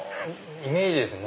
イメージですね。